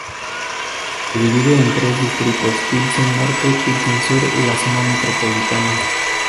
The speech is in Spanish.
Se divide en tres distritos, Pilsen Norte, Pilsen Sur y la zona Metropolitana.